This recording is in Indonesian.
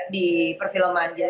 di perfilman gitu